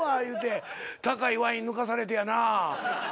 言うて高いワイン抜かされてやな。